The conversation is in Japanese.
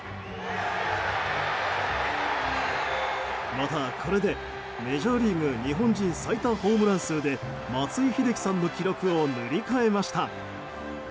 また、これでメジャーリーグ日本人最多ホームラン数で松井秀喜さんの記録を塗り替えました。